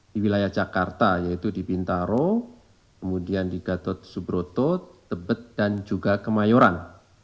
di wilayah jakarta yaitu di bintaro kemudian di gatot subroto tebet dan juga kemayoran